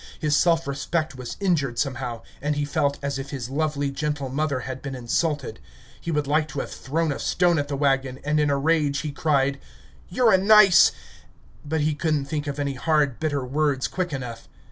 His self respect was injured somehow, and he felt as if his lovely, gentle mother had been insulted. He would like to have thrown a stone at the wagon, and in a rage he cried: "You're a nice...." but he could n't think of any hard, bitter words quick enough.